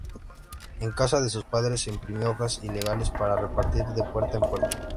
En casa de sus padres imprimió hojas ilegales para repartir de puerta en puerta.